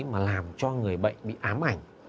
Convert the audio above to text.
mà làm cho người bệnh bị ám ảnh